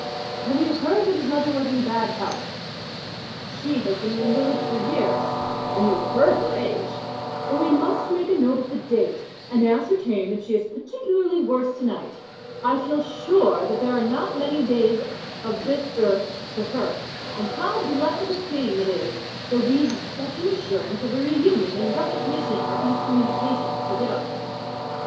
"Have you heard that his mother is in bad health?" "She has been an invalid for years, and you heard her age; but we must make a note of the date, and ascertain if she is particularly worse to night. I feel sure that there are not many days of this earth for her, and how blessed a thing it is that we have such an assurance of a reunion and recognition as these communications give to us."